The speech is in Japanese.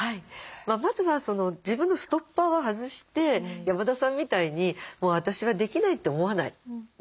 まずは自分のストッパーを外して山田さんみたいにもう私はできないって思わない。